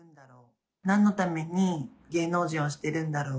なんのために芸能人をしてるんだろう？